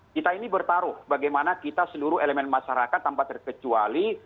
kita ini bertaruh bagaimana kita seluruh elemen masyarakat tanpa terkecuali